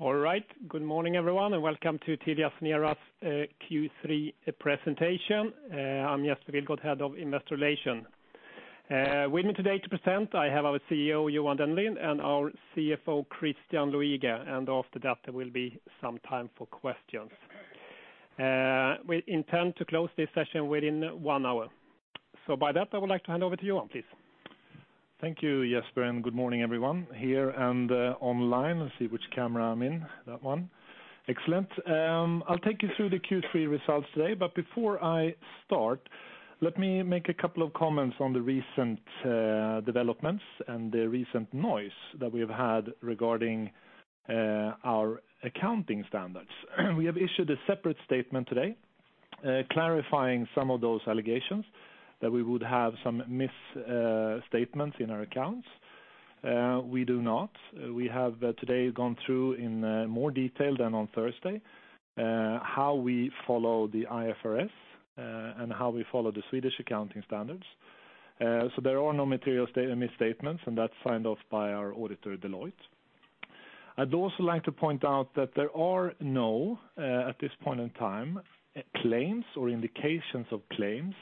All right. Good morning, everyone, and welcome to TeliaSonera's Q3 presentation. I'm Jesper Vilstrup, Head of Investor Relations. With me today to present, I have our CEO, Johan Dennelind, and our CFO, Christian Luiga. After that, there will be some time for questions. We intend to close this session within one hour. With that, I would like to hand over to Johan, please. Thank you, Jesper. Good morning everyone, here and online. Let's see which camera I'm in. That one. Excellent. I'll take you through the Q3 results today. Before I start, let me make a couple of comments on the recent developments and the recent noise that we have had regarding our accounting standards. We have issued a separate statement today clarifying some of those allegations that we would have some misstatements in our accounts. We do not. We have today gone through in more detail than on Thursday, how we follow the IFRS and how we follow the Swedish accounting standards. There are no material misstatements, and that's signed off by our auditor, Deloitte. I'd also like to point out that there are no, at this point in time, claims or indications of claims,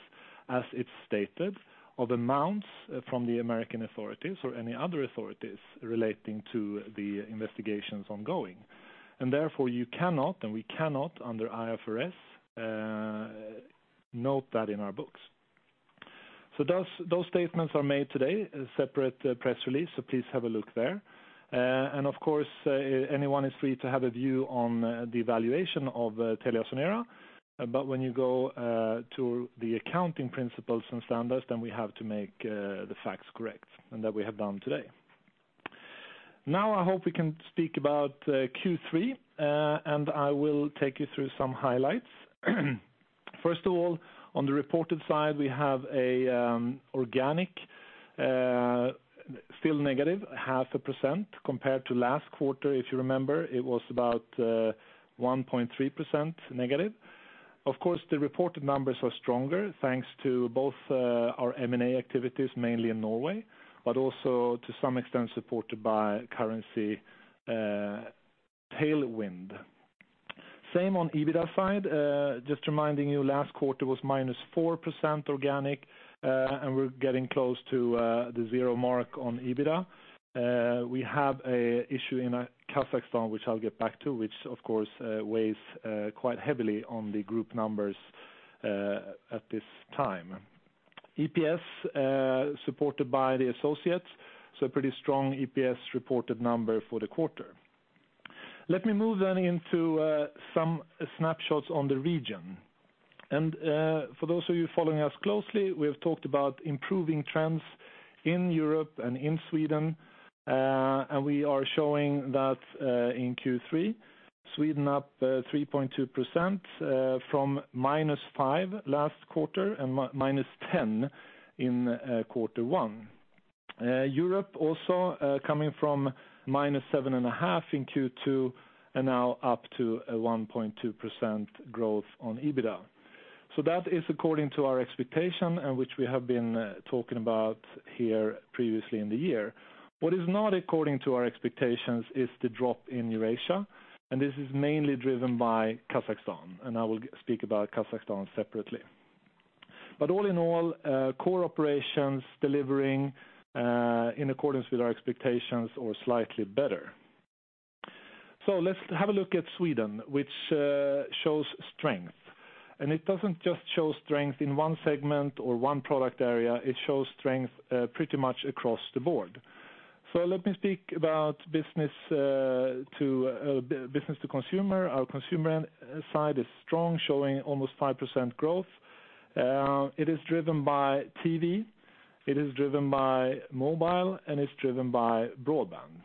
as it's stated, of amounts from the American authorities or any other authorities relating to the investigations ongoing. Therefore you cannot, and we cannot under IFRS, note that in our books. Those statements are made today in a separate press release, so please have a look there. Of course, anyone is free to have a view on the valuation of TeliaSonera. When you go to the accounting principles and standards, then we have to make the facts correct, and that we have done today. I hope we can speak about Q3, I will take you through some highlights. First of all, on the reported side, we have organic still negative at 0.5% compared to last quarter. If you remember, it was about 1.3% negative. Of course, the reported numbers are stronger thanks to both our M&A activities, mainly in Norway, but also to some extent supported by currency tailwind. Same on the EBITDA side. Just reminding you, last quarter was -4% organic, and we're getting close to the zero mark on EBITDA. We have an issue in Kazakhstan, which I'll get back to, which of course weighs quite heavily on the group numbers at this time. EPS, supported by the associates, so pretty strong EPS reported number for the quarter. Let me move then into some snapshots on the region. For those of you following us closely, we have talked about improving trends in Europe and in Sweden, and we are showing that in Q3. Sweden up 3.2% from -5% last quarter and -10% in quarter one. Europe also coming from -7.5% in Q2 and now up to a 1.2% growth on EBITDA. That is according to our expectation and which we have been talking about here previously in the year. What is not according to our expectations is the drop in Eurasia, and this is mainly driven by Kazakhstan. I will speak about Kazakhstan separately. All in all, core operations delivering in accordance with our expectations or slightly better. Let's have a look at Sweden, which shows strength. It doesn't just show strength in one segment or one product area. It shows strength pretty much across the board. Let me speak about business to consumer. Our consumer side is strong, showing almost 5% growth. It is driven by TV, it is driven by mobile, and it's driven by broadband.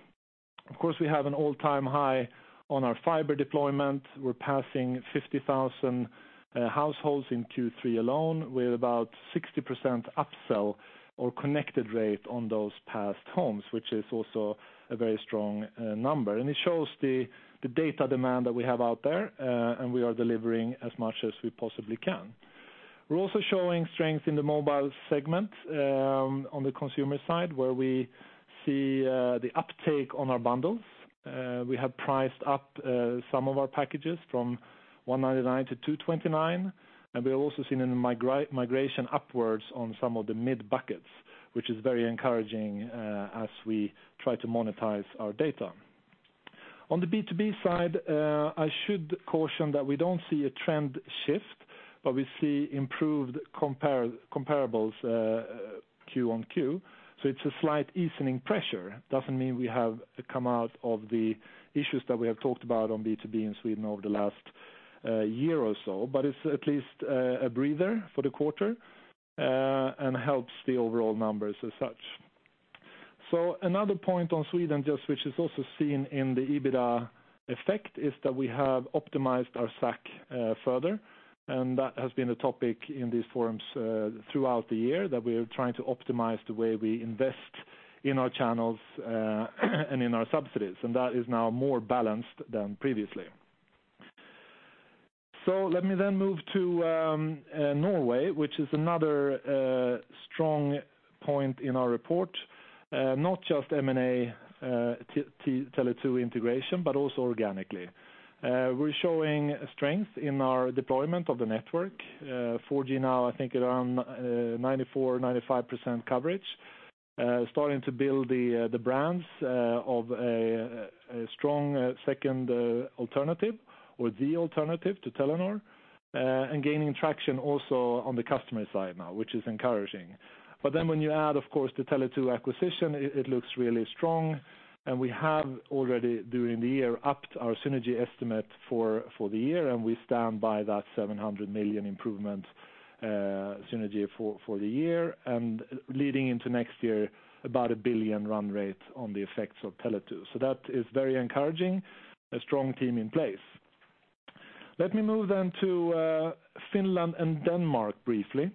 Of course, we have an all-time high on our fiber deployment. We're passing 50,000 households in Q3 alone with about 60% upsell or connected rate on those passed homes, which is also a very strong number. It shows the data demand that we have out there, and we are delivering as much as we possibly can. We're also showing strength in the mobile segment on the consumer side, where we see the uptake on our bundles. We have priced up some of our packages from 199 to 229, and we are also seeing a migration upwards on some of the mid-buckets, which is very encouraging as we try to monetize our data. On the B2B side, I should caution that we don't see a trend shift, but we see improved comparables Q on Q. It's a slight easing pressure. Doesn't mean we have come out of the issues that we have talked about on B2B in Sweden over the last year or so, but it's at least a breather for the quarter and helps the overall numbers as such. Another point on Sweden, which is also seen in the EBITDA effect, is that we have optimized our stack further. That has been a topic in these forums throughout the year, that we are trying to optimize the way we invest in our channels and in our subsidies, and that is now more balanced than previously. Let me then move to Norway, which is another strong point in our report. Not just M&A Tele2 integration, but also organically. We're showing strength in our deployment of the network. 4G now, I think around 94%, 95% coverage. Starting to build the brands of a strong second alternative or the alternative to Telenor, gaining traction also on the customer side now, which is encouraging. When you add, of course, the Tele2 acquisition, it looks really strong. We have already, during the year, upped our synergy estimate for the year, and we stand by that 700 million improvement synergy for the year. Leading into next year, about a 1 billion run rate on the effects of Tele2. That is very encouraging, a strong team in place. Let me move then to Finland and Denmark briefly.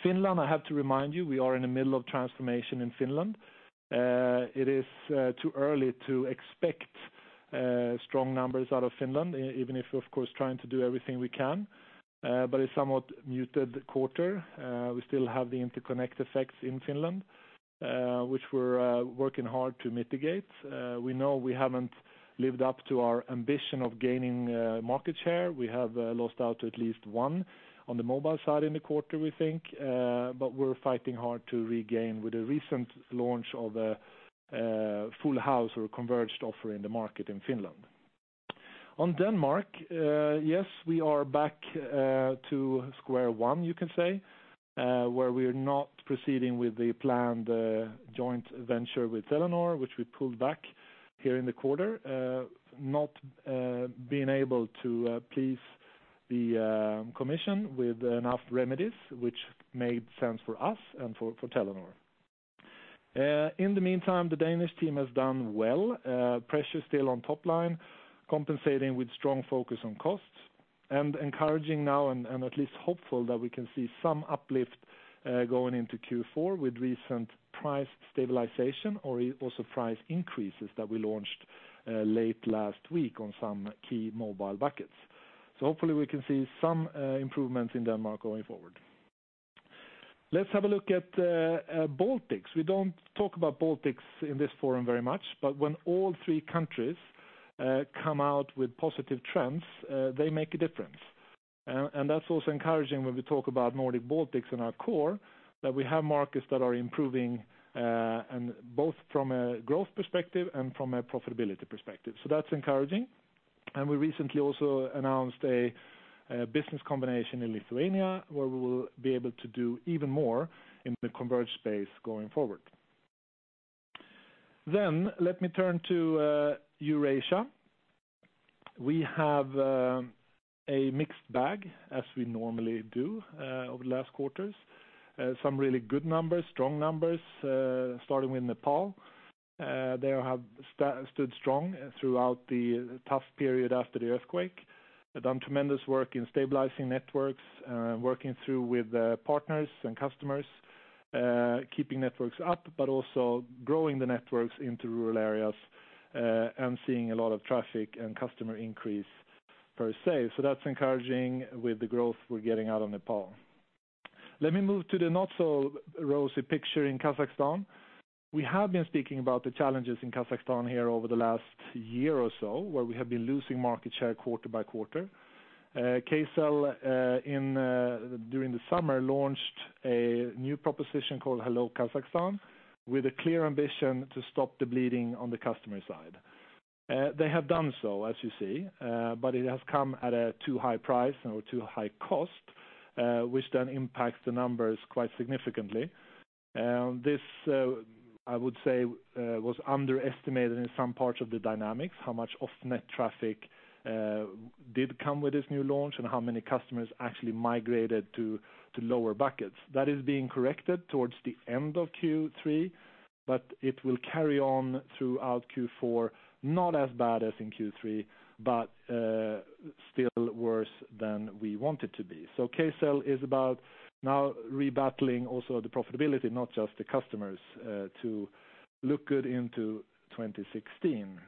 Finland, I have to remind you, we are in the middle of transformation in Finland. It is too early to expect strong numbers out of Finland, even if we're, of course, trying to do everything we can. A somewhat muted quarter. We still have the interconnect effects in Finland, which we are working hard to mitigate. We know we have not lived up to our ambition of gaining market share. We have lost out at least one on the mobile side in the quarter, we think, but we are fighting hard to regain with the recent launch of a full house or a converged offer in the market in Finland. On Denmark, yes, we are back to square one, you can say, where we are not proceeding with the planned joint venture with Telenor, which we pulled back here in the quarter. Not being able to please the Commission with enough remedies, which made sense for us and for Telenor. In the meantime, the Danish team has done well. Pressure still on top line, compensating with strong focus on costs, encouraging now, and at least hopeful that we can see some uplift going into Q4 with recent price stabilization or also price increases that we launched late last week on some key mobile buckets. Hopefully we can see some improvements in Denmark going forward. Let us have a look at Baltics. We do not talk about Baltics in this forum very much, but when all three countries come out with positive trends, they make a difference. That is also encouraging when we talk about Nordic Baltics in our core, that we have markets that are improving, both from a growth perspective and from a profitability perspective. That is encouraging. We recently also announced a business combination in Lithuania where we will be able to do even more in the converged space going forward. Let me turn to Eurasia. We have a mixed bag, as we normally do over the last quarters. Some really good numbers, strong numbers, starting with Nepal. They have stood strong throughout the tough period after the earthquake. They have done tremendous work in stabilizing networks, working through with partners and customers, keeping networks up, but also growing the networks into rural areas, and seeing a lot of traffic and customer increase per se. That is encouraging with the growth we are getting out of Nepal. Let me move to the not so rosy picture in Kazakhstan. We have been speaking about the challenges in Kazakhstan here over the last year or so, where we have been losing market share quarter by quarter. Kcell, during the summer, launched a new proposition called Hello, Kazakhstan, with a clear ambition to stop the bleeding on the customer side. They have done so, as you see, it has come at a too high price or too high cost, which then impacts the numbers quite significantly. This, I would say, was underestimated in some parts of the dynamics, how much off-net traffic did come with this new launch and how many customers actually migrated to lower buckets. That is being corrected towards the end of Q3, but it will carry on throughout Q4, not as bad as in Q3, but still worse than we want it to be. Kcell is about now rebattling also the profitability, not just the customers, to look good into 2016.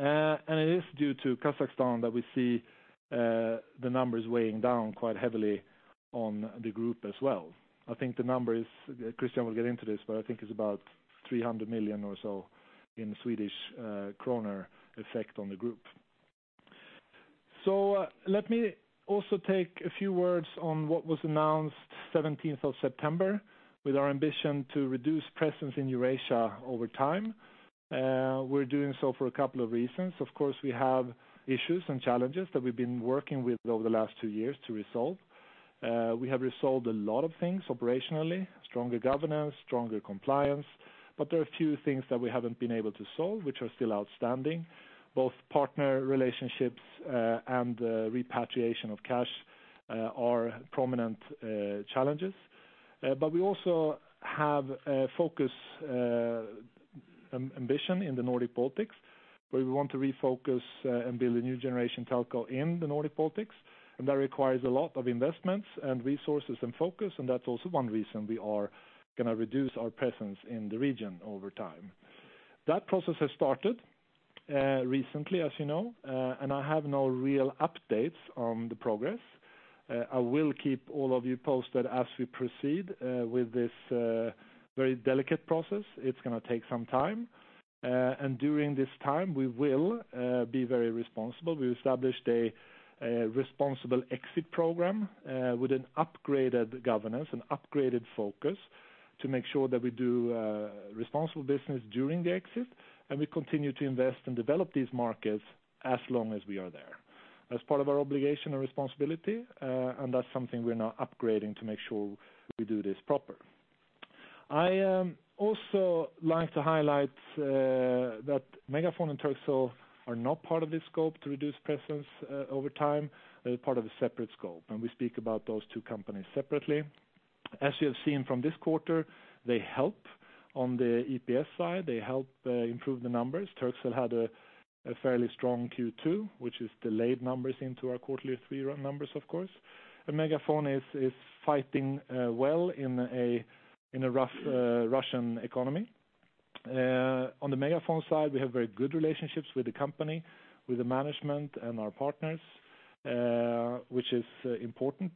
It is due to Kazakhstan that we see the numbers weighing down quite heavily on the group as well. Christian will get into this, but I think it is about 300 million or so in SEK effect on the group. Let me also take a few words on what was announced 17th of September, with our ambition to reduce presence in Eurasia over time. We're doing so for a couple of reasons. Of course, we have issues and challenges that we've been working with over the last two years to resolve. We have resolved a lot of things operationally, stronger governance, stronger compliance, but there are a few things that we haven't been able to solve, which are still outstanding. Both partner relationships and repatriation of cash are prominent challenges. We also have a focus ambition in the Nordic Baltics, where we want to refocus and build a new generation telco in the Nordic Baltics. That requires a lot of investments and resources and focus, and that's also one reason we are going to reduce our presence in the region over time. That process has started recently, as you know, and I have no real updates on the progress. I will keep all of you posted as we proceed with this very delicate process. It's going to take some time, and during this time, we will be very responsible. We established a responsible exit program with an upgraded governance and upgraded focus to make sure that we do responsible business during the exit, and we continue to invest and develop these markets as long as we are there, as part of our obligation and responsibility. That's something we're now upgrading to make sure we do this proper. I also like to highlight that MegaFon and Turkcell are not part of this scope to reduce presence over time. They're part of a separate scope, and we speak about those two companies separately. As you have seen from this quarter, they help on the EPS side. They help improve the numbers. Turkcell had a fairly strong Q2, which is delayed numbers into our quarterly three numbers, of course. MegaFon is fighting well in a rough Russian economy. On the MegaFon side, we have very good relationships with the company, with the management, and our partners, which is important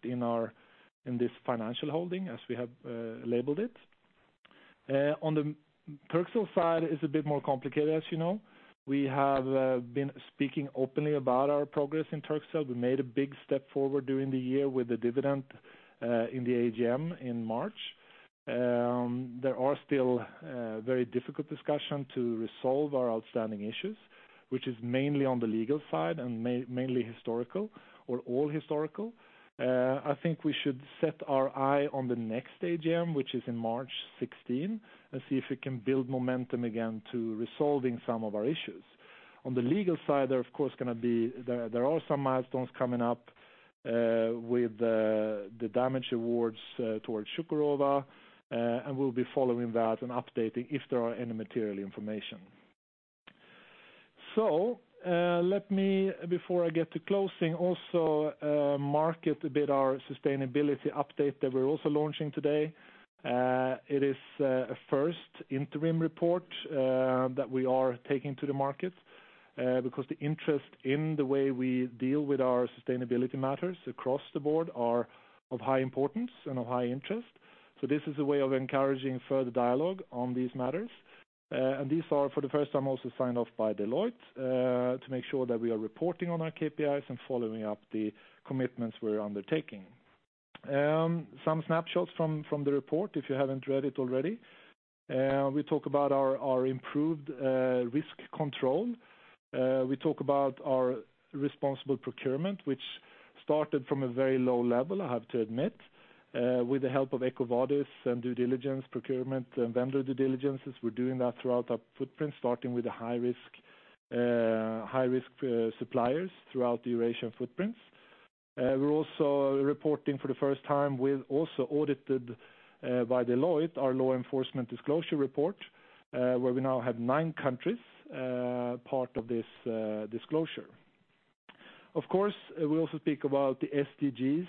in this financial holding, as we have labeled it. On the Turkcell side is a bit more complicated, as you know. We have been speaking openly about our progress in Turkcell. We made a big step forward during the year with the dividend in the AGM in March. There are still very difficult discussion to resolve our outstanding issues, which is mainly on the legal side and mainly historical or all historical. I think we should set our eye on the next AGM, which is in March 2016, and see if we can build momentum again to resolving some of our issues. On the legal side, there are some milestones coming up with the damage awards towards Cukurova, and we'll be following that and updating if there are any material information. Let me, before I get to closing, also market a bit our sustainability update that we're also launching today. It is a first interim report that we are taking to the market because the interest in the way we deal with our sustainability matters across the board are of high importance and of high interest. This is a way of encouraging further dialogue on these matters. These are, for the first time, also signed off by Deloitte to make sure that we are reporting on our KPIs and following up the commitments we are undertaking. Some snapshots from the report, if you haven't read it already. We talk about our improved risk control. We talk about our responsible procurement, which started from a very low level, I have to admit, with the help of EcoVadis and due diligence procurement and vendor due diligences. We are doing that throughout our footprint, starting with the high-risk suppliers throughout the Eurasian footprints. We are also reporting for the first time, we have also audited by Deloitte our law enforcement disclosure report, where we now have nine countries part of this disclosure. Of course, we also speak about the SDGs,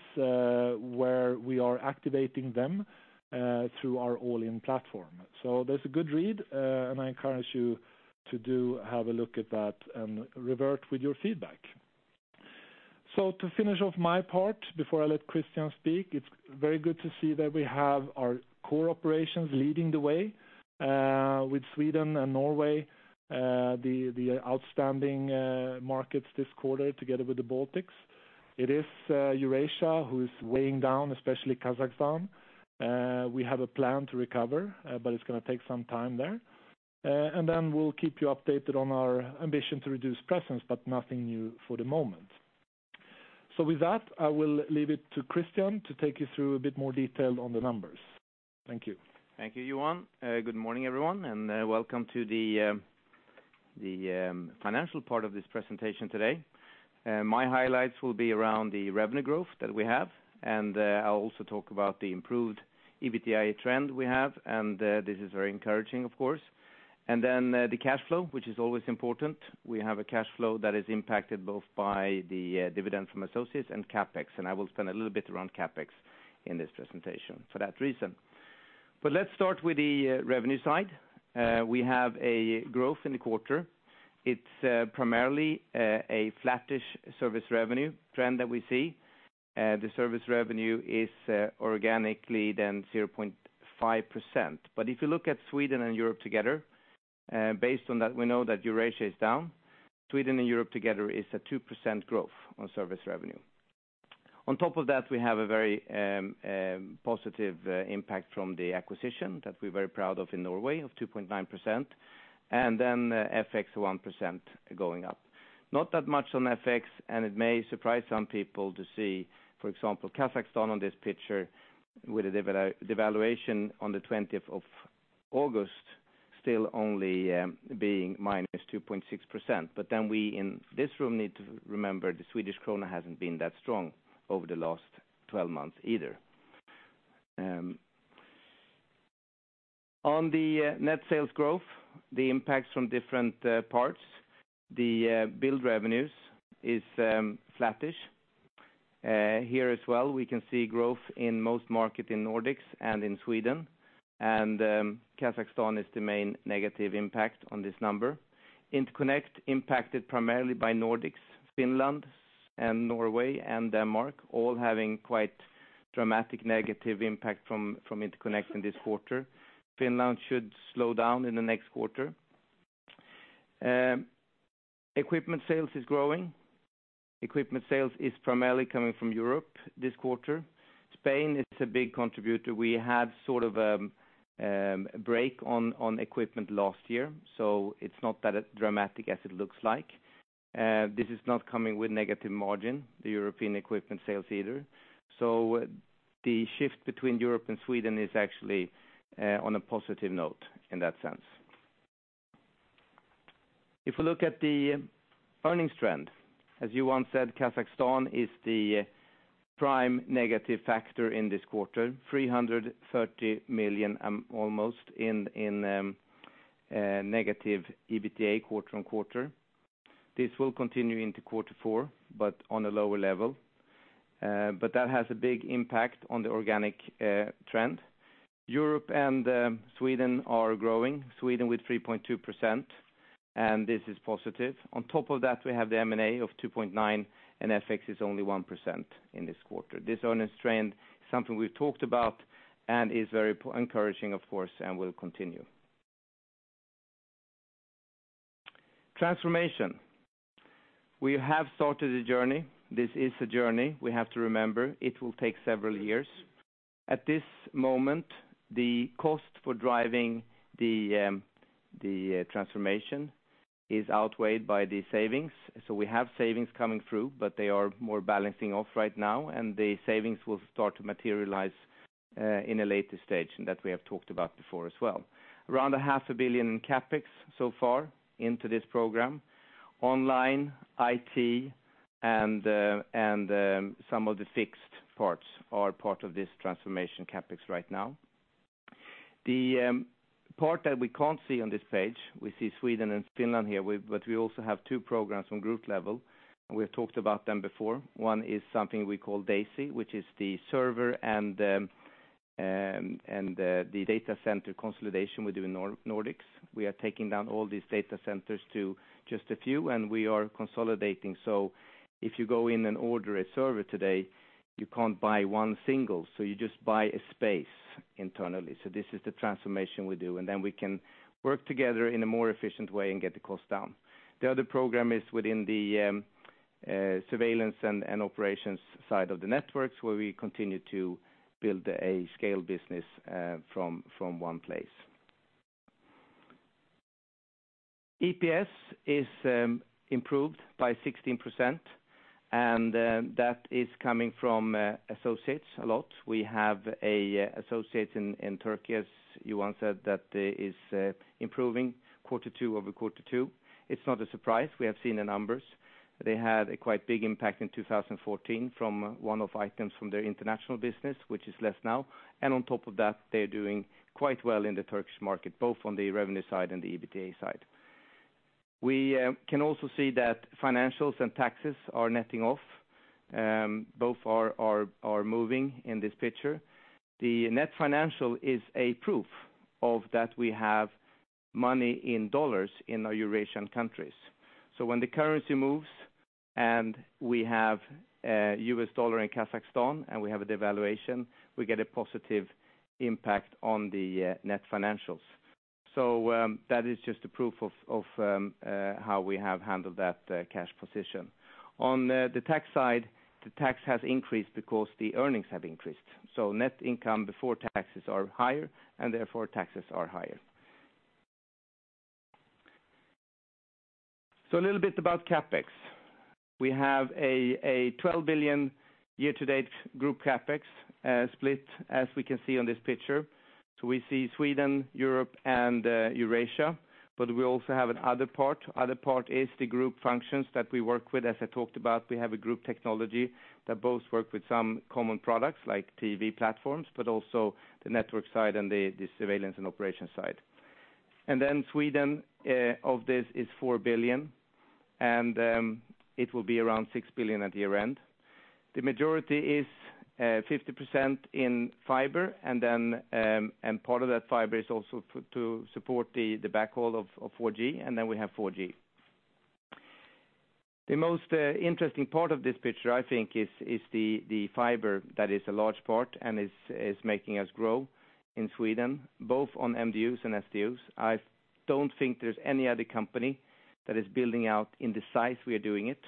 where we are activating them through our All In platform. That's a good read, and I encourage you to have a look at that and revert with your feedback. To finish off my part before I let Christian speak, it's very good to see that we have our core operations leading the way with Sweden and Norway, the outstanding markets this quarter together with the Baltics. It is Eurasia who is weighing down, especially Kazakhstan. We have a plan to recover, but it's going to take some time there. We will keep you updated on our ambition to reduce presence, but nothing new for the moment. With that, I will leave it to Christian to take you through a bit more detail on the numbers. Thank you. Thank you, Johan. Good morning, everyone, and welcome to the financial part of this presentation today. My highlights will be around the revenue growth that we have, and I will also talk about the improved EBITDA trend we have, and this is very encouraging, of course. The cash flow, which is always important. We have a cash flow that is impacted both by the dividend from associates and CapEx, and I will spend a little bit around CapEx in this presentation for that reason. Let's start with the revenue side. We have a growth in the quarter. It's primarily a flattish service revenue trend that we see. The service revenue is organically 0.5%. If you look at Sweden and Europe together, based on that, we know that Eurasia is down. Sweden and Europe together is a 2% growth on service revenue. On top of that, we have a very positive impact from the acquisition that we are very proud of in Norway of 2.9%. FX 1% going up. Not that much on FX, and it may surprise some people to see, for example, Kazakhstan on this picture with a devaluation on the 20th of August, still only being –2.6%. We in this room need to remember the Swedish krona hasn't been that strong over the last 12 months either. On the net sales growth, the impacts from different parts. The billed revenues is flattish. Here as well, we can see growth in most market in Nordics and in Sweden. Kazakhstan is the main negative impact on this number. Interconnect impacted primarily by Nordics, Finland, and Norway, and Denmark, all having quite dramatic negative impact from interconnect in this quarter. Finland should slow down in the next quarter. Equipment sales is growing. Equipment sales is primarily coming from Europe this quarter. Spain is a big contributor. We had sort of a break on equipment last year, so it's not that dramatic as it looks like. This is not coming with negative margin, the European equipment sales either. The shift between Europe and Sweden is actually on a positive note in that sense. If we look at the earnings trend, as Johan said, Kazakhstan is the prime negative factor in this quarter, 330 million, almost, in negative EBITDA quarter-on-quarter. This will continue into quarter four, but on a lower level. That has a big impact on the organic trend. Europe and Sweden are growing, Sweden with 3.2%, and this is positive. On top of that, we have the M&A of 2.9%, and FX is only 1% in this quarter. This earnings trend is something we've talked about and is very encouraging, of course, and will continue. Transformation. We have started a journey. This is a journey we have to remember. It will take several years. At this moment, the cost for driving the transformation is outweighed by the savings. We have savings coming through, but they are more balancing off right now, and the savings will start to materialize in a later stage, and that we have talked about before as well. Around a half a billion SEK in CapEx so far into this program. Online, IT, and some of the fixed parts are part of this transformation CapEx right now. The part that we can't see on this page, we see Sweden and Finland here, but we also have two programs from group level, we have talked about them before. One is something we call Daisy, which is the server and the data center consolidation we do in Nordics. We are taking down all these data centers to just a few, and we are consolidating. If you go in and order a server today, you can't buy one single, you just buy a space internally. This is the transformation we do, then we can work together in a more efficient way and get the cost down. The other program is within the surveillance and operations side of the networks, where we continue to build a scale business from one place. EPS is improved by 16%, that is coming from associates a lot. We have associates in Turkey, as Johan said, that is improving quarter two over quarter two. It's not a surprise. We have seen the numbers. They had a quite big impact in 2014 from one of items from their international business, which is less now. On top of that, they're doing quite well in the Turkish market, both on the revenue side and the EBITDA side. We can also see that financials and taxes are netting off. Both are moving in this picture. The net financial is a proof of that we have money in dollars in our Eurasian countries. When the currency moves and we have US dollar in Kazakhstan and we have a devaluation, we get a positive impact on the net financials. That is just a proof of how we have handled that cash position. On the tax side, the tax has increased because the earnings have increased. Net income before taxes are higher and therefore taxes are higher. A little bit about CapEx. We have a 12 billion year-to-date group CapEx split, as we can see on this picture. We see Sweden, Europe, and Eurasia, but we also have an other part. The other part is the group functions that we work with. As I talked about, we have a Group Technology that both work with some common products like TV platforms, but also the network side and the surveillance and operation side. Sweden of this is 4 billion, and it will be around 6 billion at year-end. The majority is 50% in fiber, and part of that fiber is also to support the backhaul of 4G, and we have 4G. The most interesting part of this picture, I think, is the fiber that is a large part and is making us grow in Sweden, both on MDUs and SDUs. I don't think there's any other company that is building out in the size we are doing it,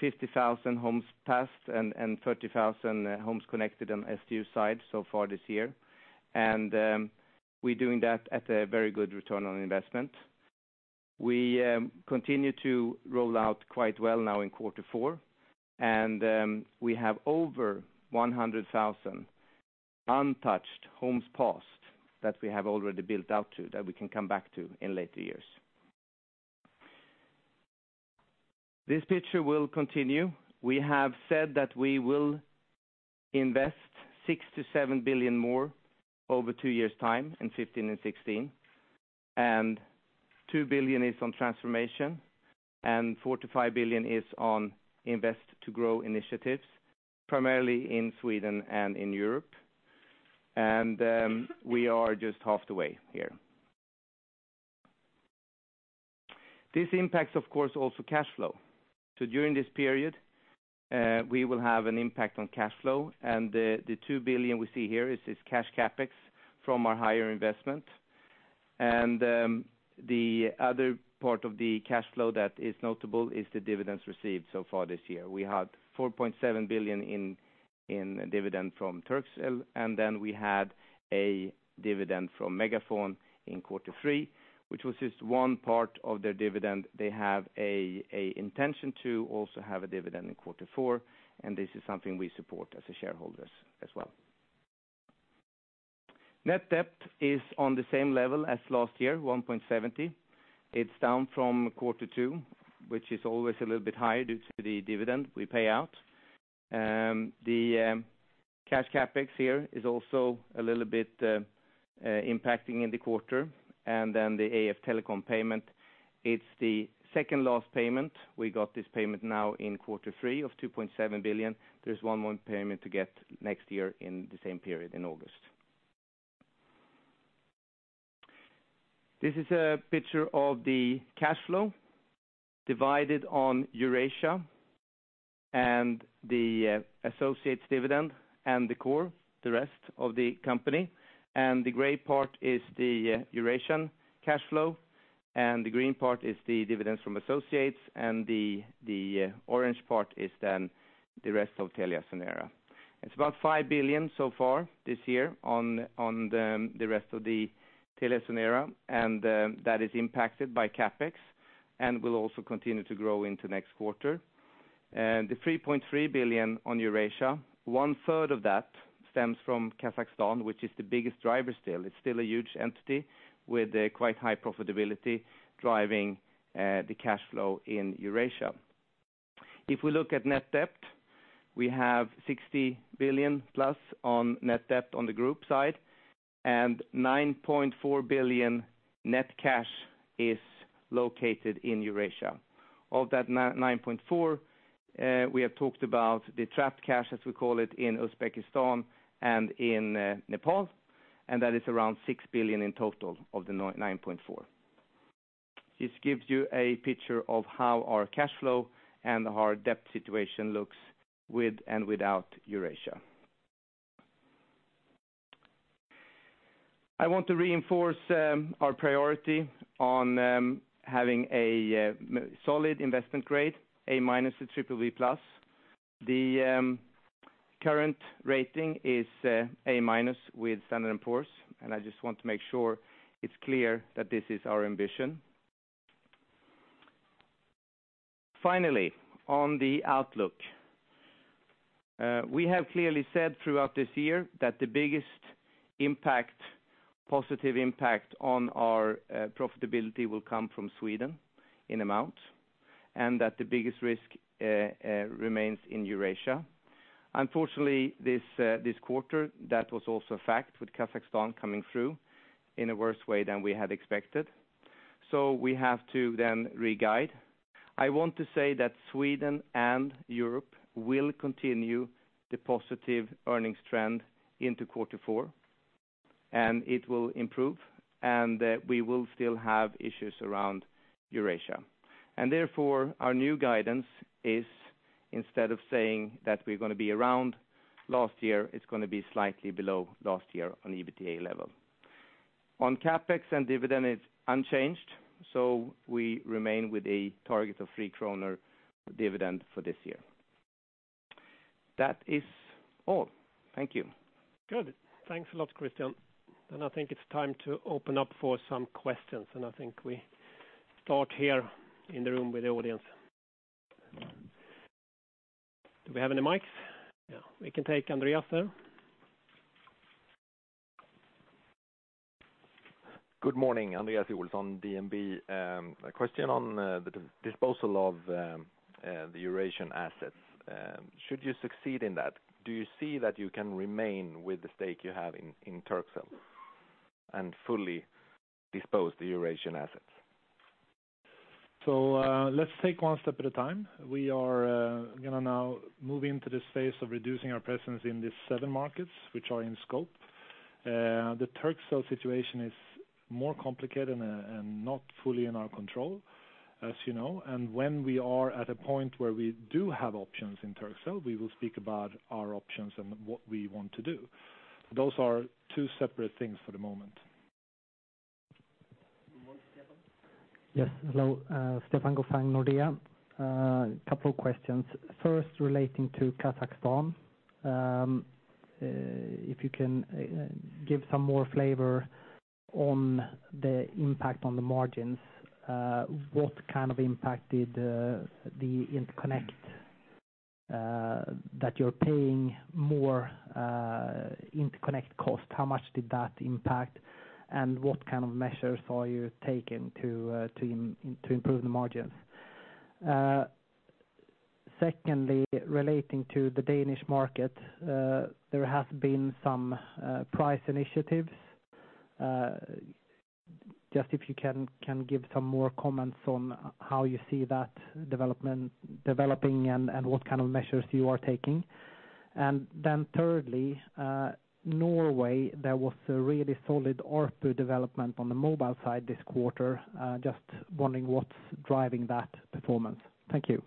50,000 homes passed and 30,000 homes connected on SDU side so far this year. We are doing that at a very good return on investment. We continue to roll out quite well now in quarter four, and we have over 100,000 untouched homes passed that we have already built out to that we can come back to in later years. This picture will continue. We have said that we will invest 6 billion to 7 billion more over two years' time in 2015 and 2016. 2 billion is on transformation, and 4 billion to 5 billion is on invest to grow initiatives, primarily in Sweden and in Europe. We are just halfway here. This impacts, of course, also cash flow. During this period, we will have an impact on cash flow, and 2 billion we see here is cash CapEx from our higher investment. The other part of the cash flow that is notable is the dividends received so far this year. We had 4.7 billion in dividend from Turkcell. We had a dividend from MegaFon in quarter three, which was just one part of their dividend. They have an intention to also have a dividend in quarter four, and this is something we support as shareholders as well. Net debt is on the same level as last year, 1.70 billion. It's down from quarter two, which is always a little bit higher due to the dividend we pay out. The cash CapEx here is also a little bit impacting in the quarter. The Alfa Telecom payment, it's the second last payment. We got this payment now in quarter three of 2.7 billion. There's one more payment to get next year in the same period in August. This is a picture of the cash flow divided on Eurasia and the associates dividend and the core, the rest of the company. The gray part is the Eurasian cash flow. The green part is the dividends from associates. The orange part is then the rest of TeliaSonera. It's about 5 billion so far this year on the rest of the TeliaSonera, and that is impacted by CapEx and will also continue to grow into next quarter. The 3.3 billion on Eurasia, one-third of that stems from Kazakhstan, which is the biggest driver still. It's still a huge entity with quite high profitability, driving the cash flow in Eurasia. If we look at net debt, we have 60 billion-plus on net debt on the group side, and 9.4 billion net cash is located in Eurasia. Of that 9.4, we have talked about the trapped cash, as we call it, in Uzbekistan and in Nepal, and that is around 6 billion in total of the 9.4. This gives you a picture of how our cash flow and our debt situation looks with and without Eurasia. I want to reinforce our priority on having a solid investment grade, A- to BBB+. The current rating is A- with Standard & Poor's, and I just want to make sure it's clear that this is our ambition. Finally, on the outlook. We have clearly said throughout this year that the biggest positive impact on our profitability will come from Sweden in amount, and that the biggest risk remains in Eurasia. Unfortunately, this quarter, that was also a fact with Kazakhstan coming through in a worse way than we had expected. We have to then re-guide. I want to say that Sweden and Europe will continue the positive earnings trend into quarter four, and it will improve, and that we will still have issues around Eurasia. Therefore, our new guidance is instead of saying that we're going to be around last year, it's going to be slightly below last year on the EBITDA level. On CapEx and dividend, it's unchanged. We remain with a target of 3 kronor dividend for this year. That is all. Thank you. Good. Thanks a lot, Christian. I think it's time to open up for some questions, and I think we start here in the room with the audience. Do we have any mics? Yeah. We can take Andreas there. Good morning. Andreas Olsson, DNB. A question on the disposal of the Eurasian assets. Should you succeed in that, do you see that you can remain with the stake you have in Turkcell and fully dispose the Eurasian assets? Let's take one step at a time. We are going to now move into this phase of reducing our presence in these seven markets, which are in scope. The Turkcell situation is more complicated and not fully in our control, as you know. When we are at a point where we do have options in Turkcell, we will speak about our options and what we want to do. Those are two separate things for the moment. We move to Stefan. Yes. Hello. Stefan Gauffin, Nordea. A couple of questions. First, relating to Kazakhstan. If you can give some more flavor on the impact on the margins. What kind of impact did the interconnect that you're paying more interconnect cost, how much did that impact, and what kind of measures are you taking to improve the margins? Secondly, relating to the Danish market, there has been some price initiatives. Just if you can give some more comments on how you see that developing and what kind of measures you are taking. Then thirdly, Norway, there was a really solid ARPU development on the mobile side this quarter. Just wondering what's driving that performance. Thank you.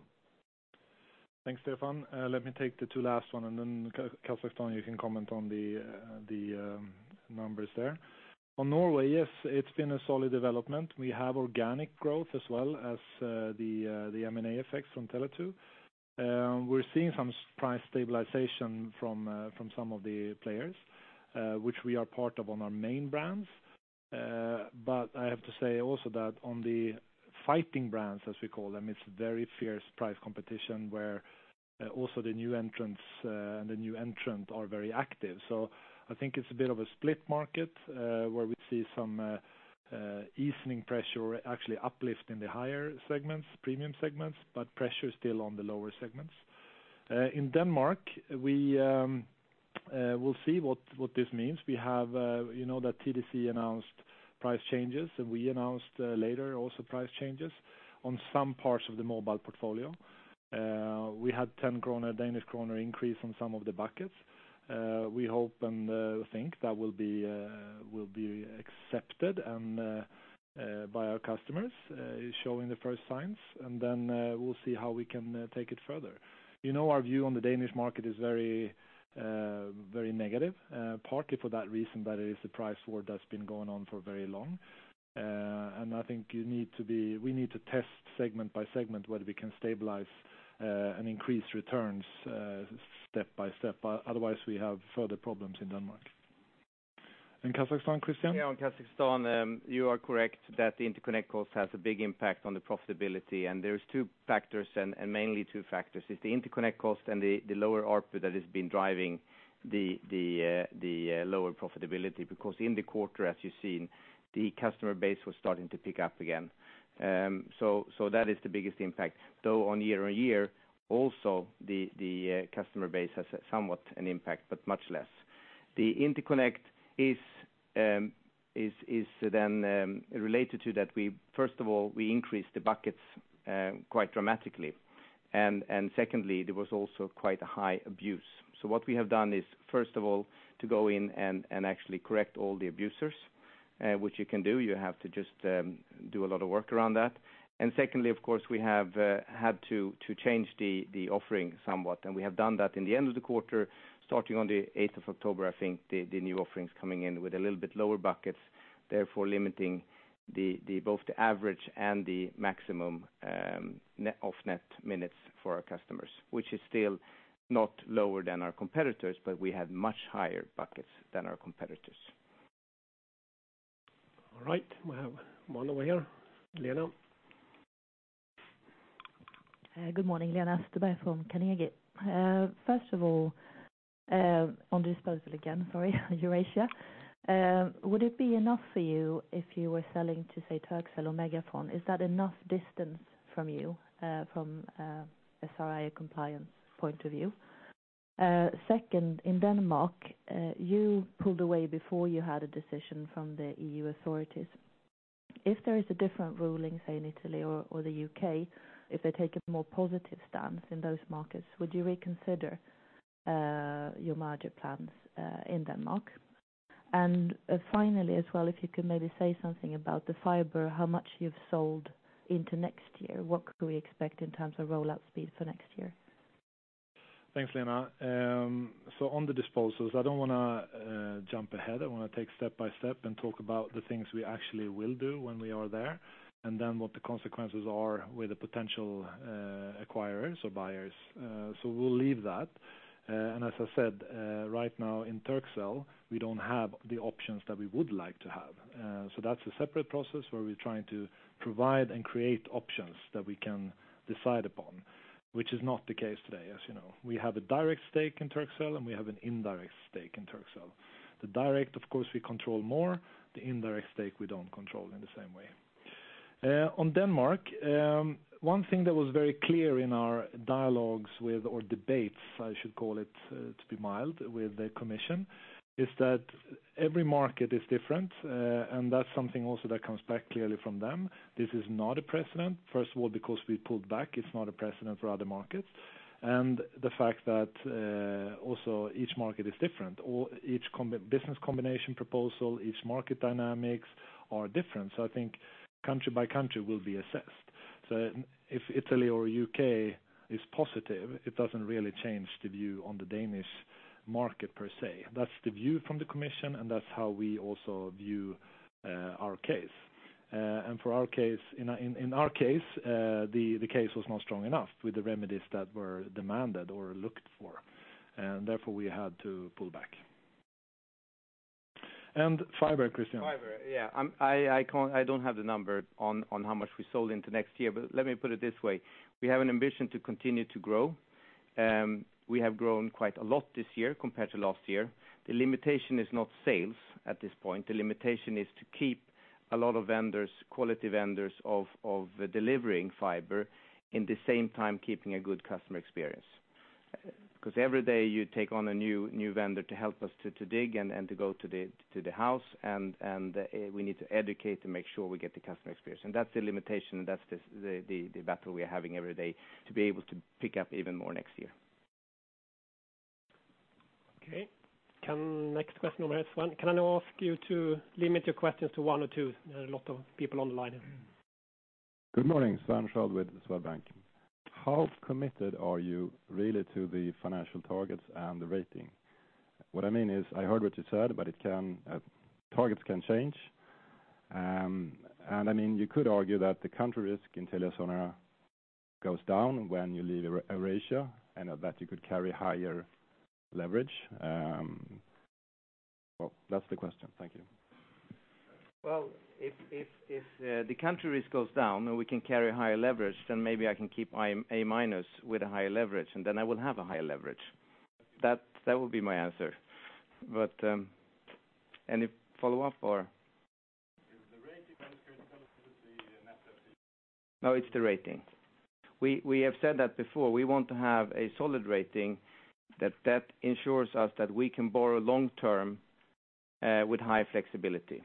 Thanks, Stefan. Let me take the two last one. Then Kazakhstan, you can comment on the numbers there. On Norway, yes, it's been a solid development. We have organic growth as well as the M&A effects from Tele2. We're seeing some price stabilization from some of the players, which we are part of on our main brands. I have to say also that on the fighting brands, as we call them, it's very fierce price competition where also the new entrants are very active. I think it's a bit of a split market, where we see some easing pressure, actually uplift in the higher segments, premium segments, but pressure is still on the lower segments. In Denmark, we'll see what this means. You know that TDC announced price changes. We announced later also price changes on some parts of the mobile portfolio. We had 10 kroner increase on some of the buckets. We hope and think that will be accepted by our customers, it's showing the first signs, then we'll see how we can take it further. You know our view on the Danish market is very negative, partly for that reason, that it is the price war that's been going on for very long. I think we need to test segment by segment whether we can stabilize and increase returns step by step. Otherwise we have further problems in Denmark. Kazakhstan, Christian? Yeah, on Kazakhstan, you are correct that the interconnect cost has a big impact on the profitability, there's two factors, mainly two factors. It's the interconnect cost and the lower ARPU that has been driving the lower profitability. In the quarter, as you've seen, the customer base was starting to pick up again. That is the biggest impact. Though on year-over-year, also the customer base has somewhat an impact, but much less. The interconnect is related to that. First of all, we increased the buckets quite dramatically. Secondly, there was also quite a high abuse. What we have done is, first of all, to go in and actually correct all the abusers, which you can do. You have to just do a lot of work around that. Secondly, of course, we have had to change the offering somewhat, and we have done that in the end of the quarter, starting on the 8th of October, I think the new offerings coming in with a little bit lower buckets, therefore limiting both the average and the maximum of net minutes for our customers. Which is still not lower than our competitors, but we have much higher buckets than our competitors. All right. We have one over here, Lena. Good morning, Lena Styberg from Carnegie. First of all, on disposal again, sorry, Eurasia. Would it be enough for you if you were selling to, say, Turkcell or MegaFon? Is that enough distance from you, from an SRI compliance point of view? Second, in Denmark, you pulled away before you had a decision from the EU authorities. If there is a different ruling, say, in Italy or the U.K., if they take a more positive stance in those markets, would you reconsider your merger plans in Denmark? Finally, as well, if you could maybe say something about the fiber, how much you've sold into next year. What could we expect in terms of rollout speed for next year? Thanks, Lena. On the disposals, I don't want to jump ahead. I want to take step by step and talk about the things we actually will do when we are there, and then what the consequences are with the potential acquirers or buyers. We'll leave that. As I said, right now in Turkcell, we don't have the options that we would like to have. That's a separate process, where we're trying to provide and create options that we can decide upon, which is not the case today, as you know. We have a direct stake in Turkcell and we have an indirect stake in Turkcell. The direct, of course, we control more, the indirect stake we don't control in the same way. On Denmark, one thing that was very clear in our dialogues with, or debates I should call it to be mild, with the commission, is that every market is different. That's something also that comes back clearly from them. This is not a precedent. First of all, because we pulled back, it's not a precedent for other markets. The fact that also each market is different, or each business combination proposal, each market dynamics are different. I think country by country will be assessed. If Italy or U.K. is positive, it doesn't really change the view on the Danish market, per se. That's the view from the commission, and that's how we also view our case. In our case, the case was not strong enough with the remedies that were demanded or looked for, and therefore we had to pull back. Fiber, Christian. Fiber. Yeah. I don't have the number on how much we sold into next year, but let me put it this way. We have an ambition to continue to grow. We have grown quite a lot this year compared to last year. The limitation is not sales at this point. The limitation is to keep a lot of quality vendors of delivering fiber, in the same time, keeping a good customer experience. Because every day you take on a new vendor to help us to dig and to go to the house, and we need to educate to make sure we get the customer experience. That's the limitation. That's the battle we are having every day to be able to pick up even more next year. Okay. Next question on line one. Can I now ask you to limit your questions to one or two? There are a lot of people on the line in. Good morning, Sven Schild with Swedbank. How committed are you really to the financial targets and the rating? What I mean is, I heard what you said, but targets can change. You could argue that the country risk in Telia Eurasia goes down when you leave Eurasia, and that you could carry higher leverage. Well, that's the question. Thank you. Well, if the country risk goes down and we can carry higher leverage, then maybe I can keep my A- with a higher leverage, and then I will have a higher leverage. That would be my answer. Any follow-up or? Is the rating then connected to the net debt? No, it's the rating. We have said that before. We want to have a solid rating that ensures us that we can borrow long-term with high flexibility.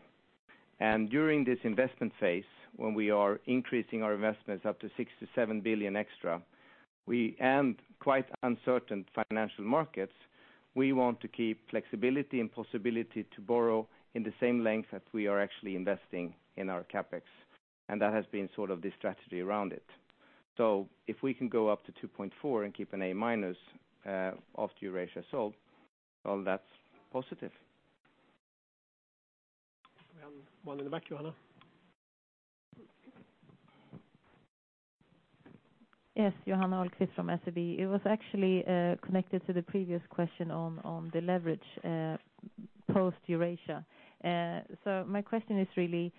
During this investment phase, when we are increasing our investments up to 67 billion extra, and quite uncertain financial markets, we want to keep flexibility and possibility to borrow in the same length that we are actually investing in our CapEx. That has been sort of the strategy around it. If we can go up to 2.4 and keep an A- after Eurasia sold, well, that's positive. We have one in the back, Johanna. Yes, Johanna Ahlqvist from SEB. It was actually connected to the previous question on the leverage post Eurasia. My question is really,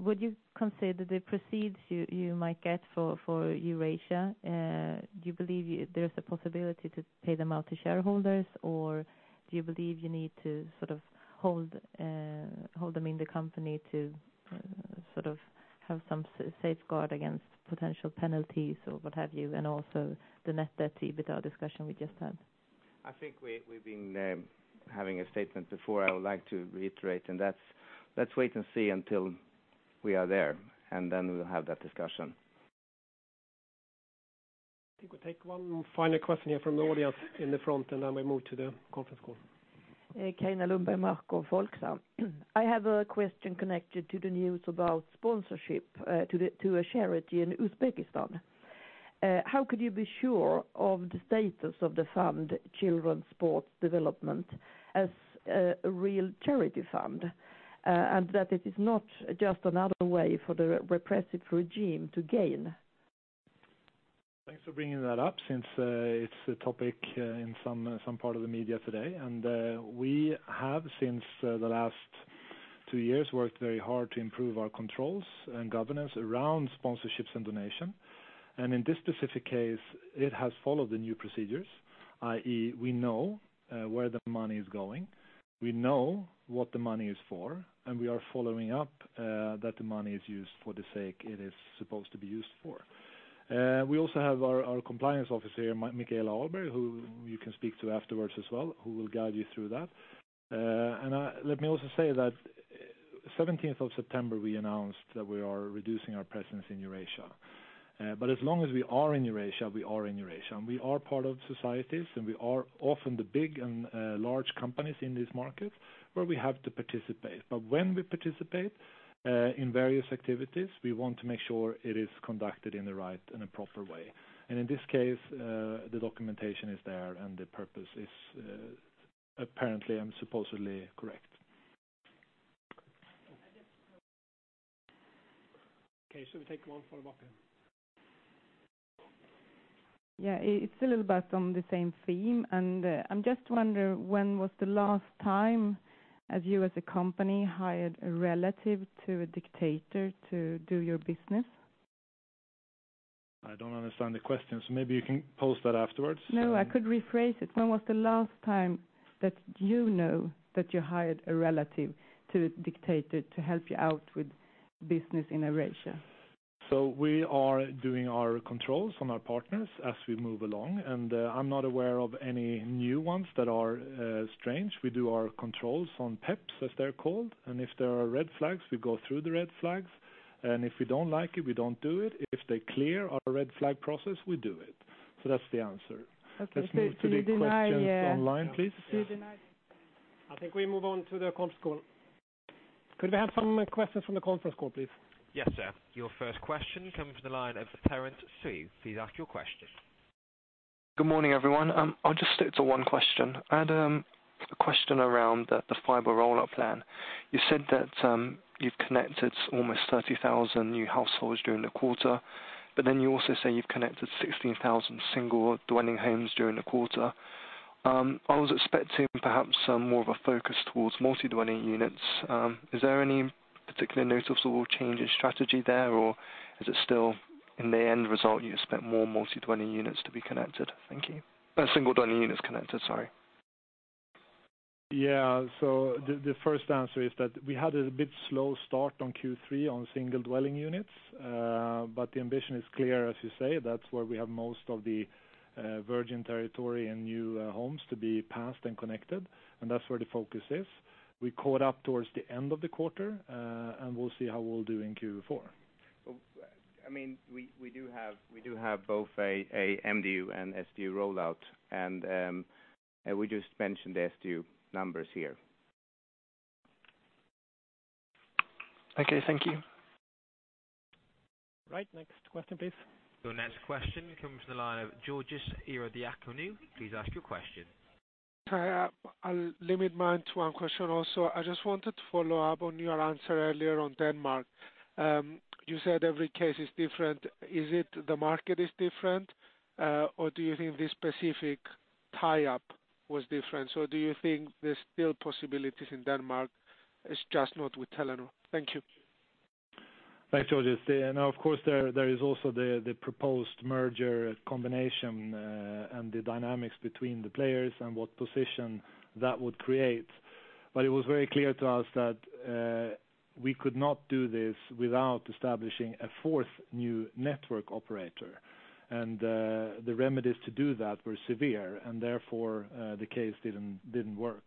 would you consider the proceeds you might get for Eurasia, do you believe there's a possibility to pay them out to shareholders? Do you believe you need to hold them in the company to have some safeguard against potential penalties or what have you, and also the net debt EBITDA discussion we just had? I think we've been having a statement before I would like to reiterate, that's wait and see until we are there, then we'll have that discussion. I think we will take one final question here from the audience in the front, then we move to the conference call. Carina Lundberg Markow of Folksam. I have a question connected to the news about sponsorship to a charity in Uzbekistan. How could you be sure of the status of the fund, Children's Sports Development, as a real charity fund? That it is not just another way for the repressive regime to gain. Thanks for bringing that up since it is a topic in some part of the media today. We have, since the last two years, worked very hard to improve our controls and governance around sponsorships and donation. In this specific case, it has followed the new procedures, i.e., we know where the money is going, we know what the money is for, and we are following up that the money is used for the sake it is supposed to be used for. We also have our compliance officer here, Michaela Ahlberg, who you can speak to afterwards as well, who will guide you through that. Let me also say that 17th of September, we announced that we are reducing our presence in Eurasia. As long as we are in Eurasia, we are in Eurasia, and we are part of societies, and we are often the big and large companies in these markets where we have to participate. When we participate in various activities, we want to make sure it is conducted in a right and a proper way. In this case, the documentation is there and the purpose is apparently and supposedly correct. Should we take one from the back here? It's a little bit on the same theme, I'm just wondering, when was the last time that you as a company hired a relative to a dictator to do your business? I don't understand the question, maybe you can pose that afterwards. I could rephrase it. When was the last time that you know that you hired a relative to a dictator to help you out with business in Eurasia? We are doing our controls on our partners as we move along, and I'm not aware of any new ones that are strange. We do our controls on PEPs, as they're called, and if there are red flags, we go through the red flags, and if we don't like it, we don't do it. If they clear our red flag process, we do it. That's the answer. Okay. Let's move to the questions online, please. You deny. I think we move on to the conference call. Could we have some questions from the conference call, please? Yes, sir. Your first question coming from the line of Terence Tsui. Please ask your question. Good morning, everyone. I'll just stick to one question. I had a question around the fiber rollout plan. You said that you've connected almost 30,000 new households during the quarter, but then you also say you've connected 16,000 single dwelling homes during the quarter. I was expecting perhaps more of a focus towards multi-dwelling units. Is there any particular noticeable change in strategy there, or is it still in the end result you expect more single-dwelling units connected? Thank you. Yeah. The first answer is that we had a bit slow start on Q3 on single-dwelling units. The ambition is clear, as you say, that's where we have most of the virgin territory and new homes to be passed and connected, and that's where the focus is. We caught up towards the end of the quarter, and we'll see how we'll do in Q4. We do have both a MDU and SDU rollout, and we just mentioned the SDU numbers here. Okay. Thank you. Right. Next question, please. Your next question comes from the line of Georges Irodionu. Please ask your question. Hi. I'll limit mine to one question also. I just wanted to follow up on your answer earlier on Denmark. You said every case is different. Is it the market is different, or do you think this specific tie-up was different? Do you think there's still possibilities in Denmark, it's just not with Telenor? Thank you. Thanks, Georges. Of course, there is also the proposed merger combination, and the dynamics between the players and what position that would create. It was very clear to us that we could not do this without establishing a fourth new network operator. The remedies to do that were severe, and therefore, the case didn't work.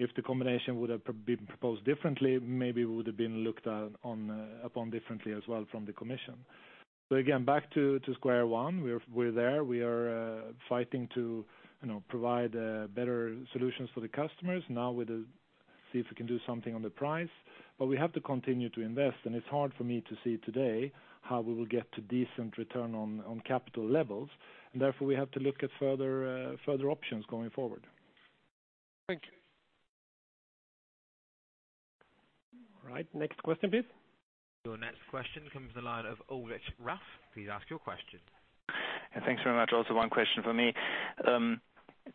If the combination would have been proposed differently, maybe it would have been looked upon differently as well from the commission. Again, back to square one. We're there. We are fighting to provide better solutions for the customers. Now we see if we can do something on the price, but we have to continue to invest, and it's hard for me to see today how we will get to decent return on capital levels, and therefore we have to look at further options going forward. Thank you. All right. Next question, please. Your next question comes from the line of Ulrich Rathe. Please ask your question. Thanks very much. Also one question from me.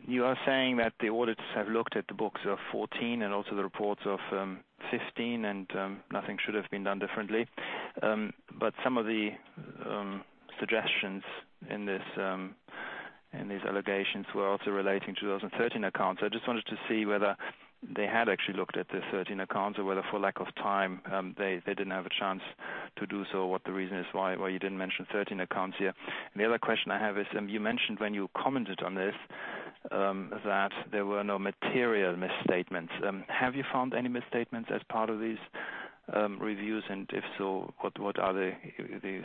You are saying that the auditors have looked at the books of 2014 and also the reports of 2015 and nothing should have been done differently. Some of the suggestions in these allegations were also relating to 2013 accounts. I just wanted to see whether they had actually looked at the 2013 accounts, or whether for lack of time, they didn't have a chance to do so, what the reason is why you didn't mention 2013 accounts here. The other question I have is, you mentioned when you commented on this, that there were no material misstatements. Have you found any misstatements as part of these reviews? If so, what are the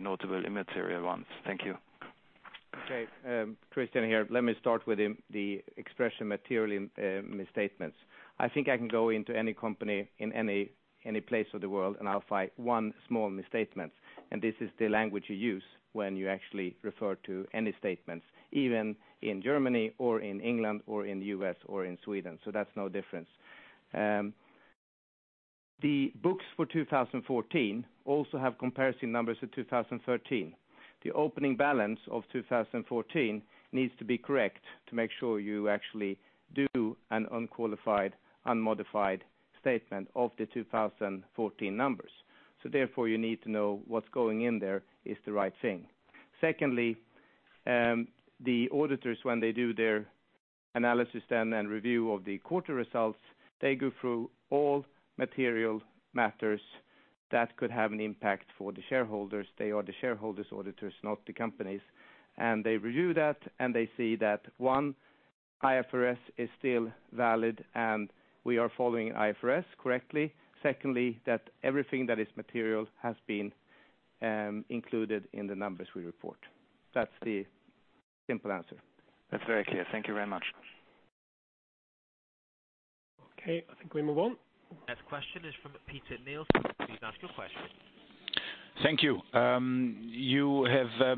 notable immaterial ones? Thank you. Okay. Christian here. Let me start with the expression material misstatements. I think I can go into any company in any place of the world, I'll find one small misstatement, this is the language you use when you actually refer to any statements, even in Germany or in England or in the U.S. or in Sweden. That's no different. The books for 2014 also have comparison numbers to 2013. The opening balance of 2014 needs to be correct to make sure you actually do an unqualified, unmodified statement of the 2014 numbers. Therefore, you need to know what's going in there is the right thing. Secondly, the auditors, when they do their analysis then and review of the quarter results, they go through all material matters that could have an impact for the shareholders. They are the shareholders' auditors, not the company's. They review that, they see that one, IFRS is still valid and we are following IFRS correctly. Secondly, that everything that is material has been included in the numbers we report. That's the simple answer. That's very clear. Thank you very much. Okay. I think we move on. Next question is from Peter Nielsen. Please ask your question. Thank you. You have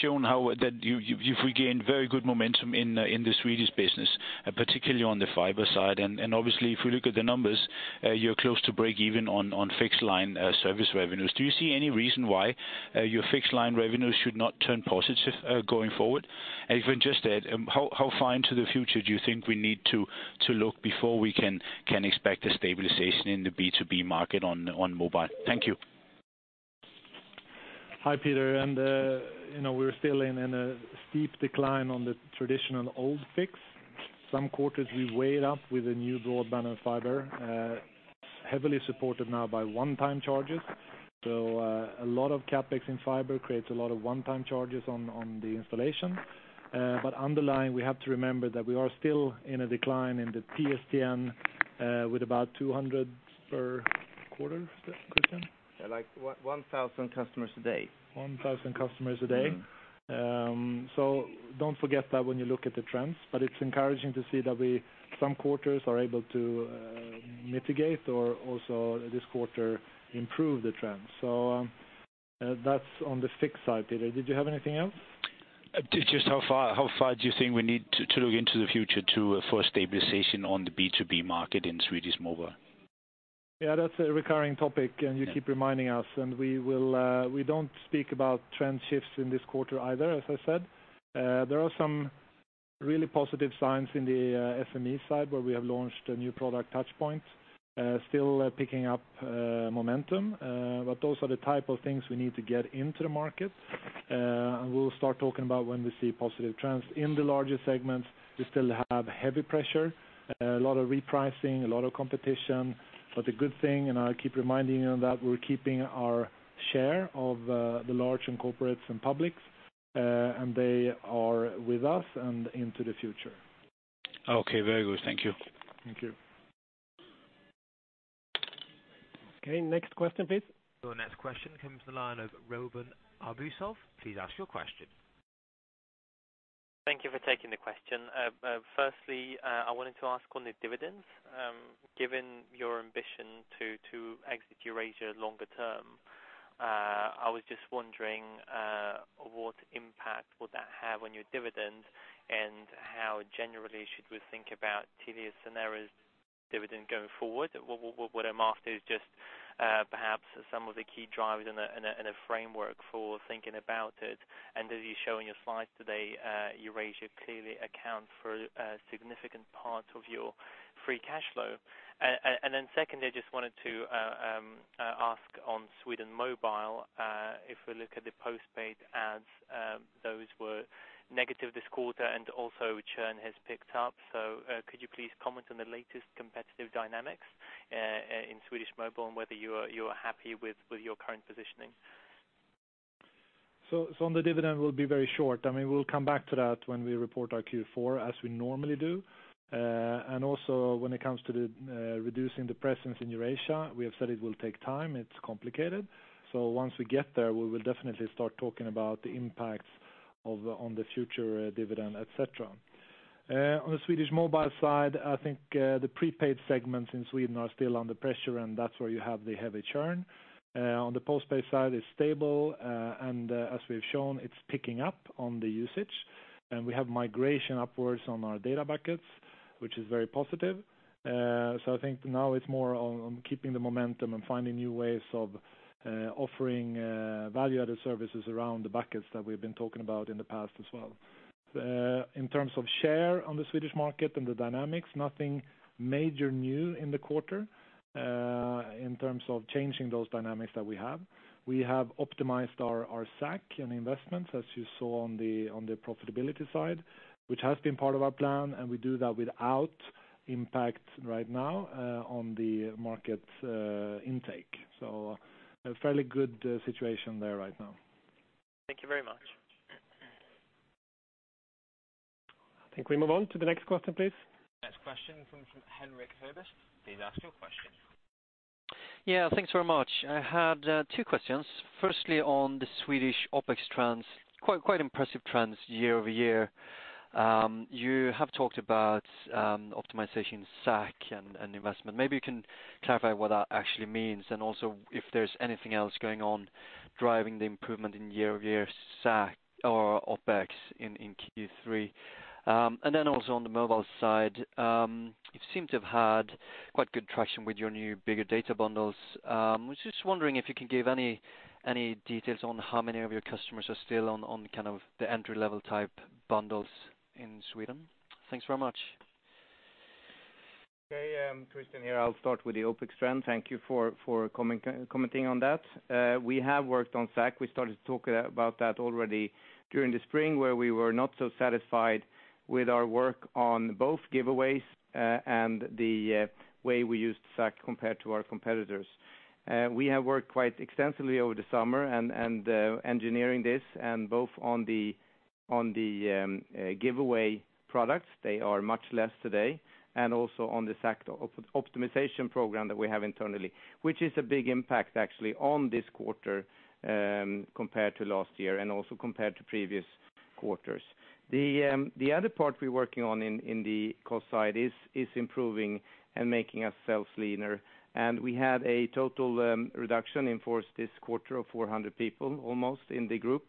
shown how that you've regained very good momentum in the Swedish business, particularly on the fiber side. Obviously, if we look at the numbers, you're close to breakeven on fixed line service revenues. Do you see any reason why your fixed line revenues should not turn positive going forward? Even just that, how far into the future do you think we need to look before we can expect a stabilization in the B2B market on mobile? Thank you. Hi, Peter. We're still in a steep decline on the traditional old fix. Some quarters we weigh it up with the new broadband and fiber, heavily supported now by one-time charges. A lot of CapEx in fiber creates a lot of one-time charges on the installation. Underlying, we have to remember that we are still in a decline in the PSTN, with about 200 per quarter, Christian? Like 1,000 customers a day. 1,000 customers a day. Don't forget that when you look at the trends, it's encouraging to see that some quarters are able to mitigate, or also this quarter improve the trend. That's on the fixed side, Peter. Did you have anything else? Just how far do you think we need to look into the future for stabilization on the B2B market in Swedish mobile? Yeah, that's a recurring topic. You keep reminding us. We don't speak about trend shifts in this quarter either, as I said. There are some really positive signs in the SME side where we have launched a new product, Telia Touchpoint. Still picking up momentum, but those are the type of things we need to get into the market. We'll start talking about when we see positive trends. The good thing, and I'll keep reminding you on that, we're keeping our share of the large and corporates and publics, and they are with us and into the future. Okay, very good. Thank you. Thank you. Okay, next question, please. Your next question comes from the line of Robin Abusov. Please ask your question. Thank you for taking the question. Firstly, I wanted to ask on the dividends, given your ambition to exit Eurasia longer term, I was just wondering what impact would that have on your dividend, and how generally should we think about Telia's scenarios dividend going forward? What I'm after is just perhaps some of the key drivers and a framework for thinking about it. As you show in your slides today, Eurasia clearly accounts for a significant part of your free cash flow. Then secondly, I just wanted to ask on Sweden Mobile. If we look at the postpaid adds, those were negative this quarter, and also churn has picked up. Could you please comment on the latest competitive dynamics in Swedish mobile and whether you are happy with your current positioning? On the dividend will be very short. We will come back to that when we report our Q4 as we normally do. Also when it comes to reducing the presence in Eurasia, we have said it will take time. It's complicated. Once we get there, we will definitely start talking about the impacts on the future dividend, et cetera. On the Swedish mobile side, I think the prepaid segments in Sweden are still under pressure, and that's where you have the heavy churn. On the postpaid side, it's stable, and as we've shown, it's picking up on the usage. We have migration upwards on our data buckets, which is very positive. I think now it's more on keeping the momentum and finding new ways of offering value-added services around the buckets that we've been talking about in the past as well. In terms of share on the Swedish market and the dynamics, nothing major new in the quarter in terms of changing those dynamics that we have. We have optimized our SAC and investments, as you saw on the profitability side, which has been part of our plan, and we do that without impact right now on the market intake. A fairly good situation there right now. Thank you very much. I think we move on to the next question, please. Next question comes from Henrik Herbert. Please ask your question. Yeah, thanks very much. I had two questions. Firstly, on the Swedish OpEx trends, quite impressive trends year-over-year. You have talked about optimization SAC and investment. Maybe you can clarify what that actually means and also if there's anything else going on driving the improvement in year-over-year SAC or OpEx in Q3. Also on the mobile side, you seem to have had quite good traction with your new bigger data bundles. I was just wondering if you can give any details on how many of your customers are still on the entry-level type bundles in Sweden. Thanks very much. Okay. Christian here. I'll start with the OpEx trend. Thank you for commenting on that. We have worked on SAC. We started to talk about that already during the spring, where we were not so satisfied with our work on both giveaways and the way we used SAC compared to our competitors. We have worked quite extensively over the summer and engineering this, and both on the giveaway products, they are much less today, and also on the SAC optimization program that we have internally, which is a big impact actually on this quarter compared to last year and also compared to previous quarters. The other part we're working on in the cost side is improving and making ourselves leaner. We had a total reduction in force this quarter of 400 people, almost, in the group.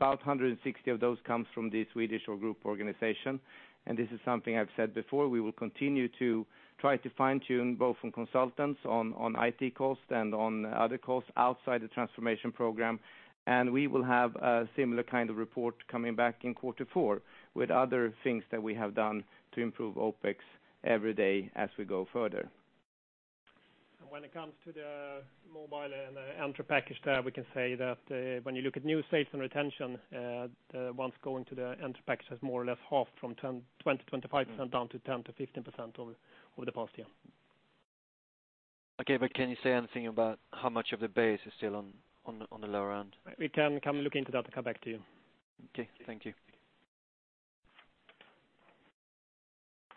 About 160 of those comes from the Swedish or group organization. This is something I've said before. We will continue to try to fine-tune both from consultants on IT cost and on other costs outside the transformation program. We will have a similar kind of report coming back in quarter four with other things that we have done to improve OpEx every day as we go further. When it comes to the mobile and entry package there, we can say that when you look at new sales and retention, the ones going to the entry package has more or less halved from 20%-25% down to 10%-15% over the past year. Okay, can you say anything about how much of the base is still on the lower end? We can look into that and come back to you. Okay. Thank you.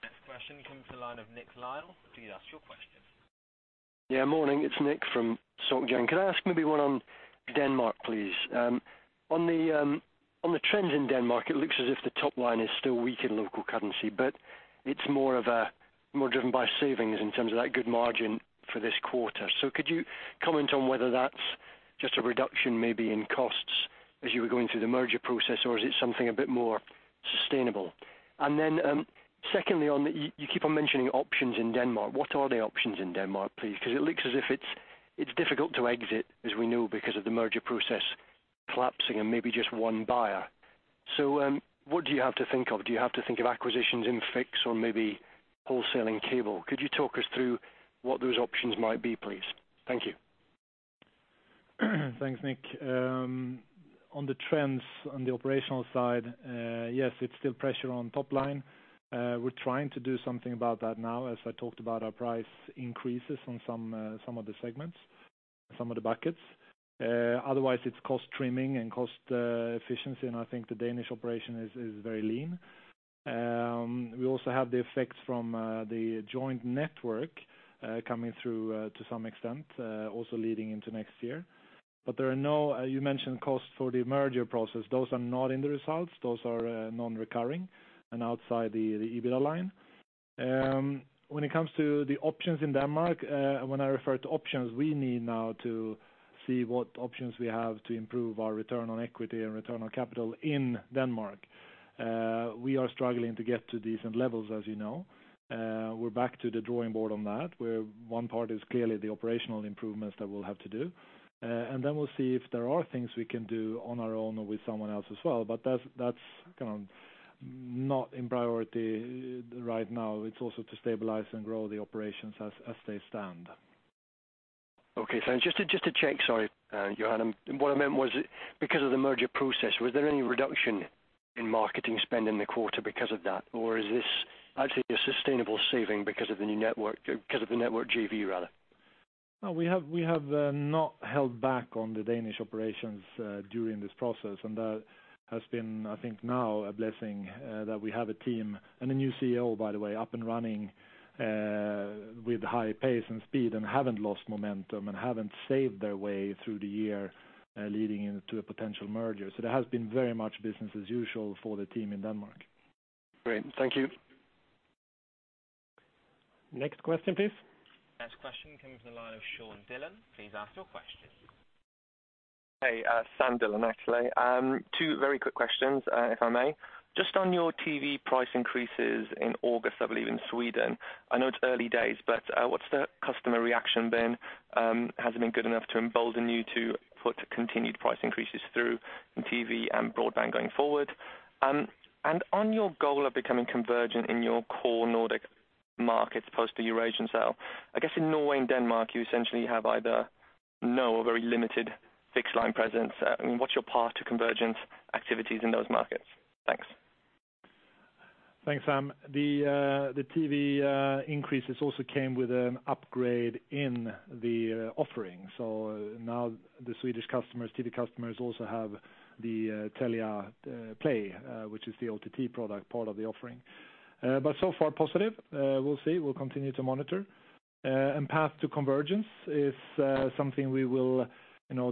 Next question comes to the line of Nick Lyall. Please ask your question. Yeah, morning. It's Nick from Société Générale. Can I ask maybe one on Denmark, please? On the trends in Denmark, it looks as if the top line is still weak in local currency, but it's more driven by savings in terms of that good margin for this quarter. Could you comment on whether that's just a reduction maybe in costs as you were going through the merger process, or is it something a bit more- Secondly, you keep on mentioning options in Denmark. What are the options in Denmark, please? It looks as if it's difficult to exit, as we know, because of the merger process collapsing and maybe just one buyer. What do you have to think of? Do you have to think of acquisitions in fix or maybe wholesaling cable? Could you talk us through what those options might be, please? Thank you. Thanks, Nick. On the trends on the operational side, yes, it's still pressure on top line. We're trying to do something about that now, as I talked about our price increases on some of the segments, some of the buckets. Otherwise, it's cost trimming and cost efficiency, and I think the Danish operation is very lean. We also have the effects from the joint network coming through, to some extent, also leading into next year. You mentioned costs for the merger process. Those are not in the results. Those are non-recurring and outside the EBITDA line. When it comes to the options in Denmark, when I refer to options, we need now to see what options we have to improve our return on equity and return on capital in Denmark. We are struggling to get to decent levels, as you know. We're back to the drawing board on that, where one part is clearly the operational improvements that we'll have to do. We'll see if there are things we can do on our own or with someone else as well. That's not in priority right now. It's also to stabilize and grow the operations as they stand. Okay. Just to check, sorry, Johan. What I meant was, because of the merger process, was there any reduction in marketing spend in the quarter because of that? Or is this actually a sustainable saving because of the network JV? No, we have not held back on the Danish operations during this process. That has been, I think now, a blessing that we have a team and a new CEO, by the way, up and running with high pace and speed and haven't lost momentum and haven't saved their way through the year, leading into a potential merger. It has been very much business as usual for the team in Denmark. Great. Thank you. Next question, please. Next question comes from the line of Sam Dillon. Please ask your question. Hey, Sam Dillon actually. Two very quick questions, if I may. Just on your TV price increases in August, I believe in Sweden. I know it's early days, but what's the customer reaction been? Has it been good enough to embolden you to put continued price increases through in TV and broadband going forward? On your goal of becoming convergent in your core Nordic markets, post the Eurasian sale. I guess in Norway and Denmark, you essentially have either no or very limited fixed-line presence. What's your path to convergence activities in those markets? Thanks. Thanks, Sam. The TV increases also came with an upgrade in the offering. Now the Swedish TV customers also have the Telia Play, which is the OTT product part of the offering. So far positive. We'll see. We'll continue to monitor. Path to convergence is something we will